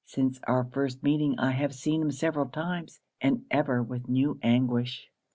'Since our first meeting, I have seen him several times, and ever with new anguish.